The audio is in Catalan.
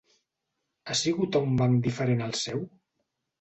Ha sigut a un banc diferent al seu?